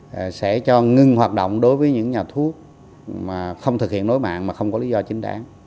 và sẽ cho ngưng hoạt động đối với những nhà thuốc mà không thực hiện nối mạng mà không có lý do chính đáng